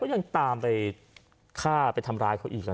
ยังตามไปฆ่าไปทำร้ายเขาอีก